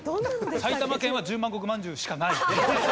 埼玉県は十万石まんじゅうしかない。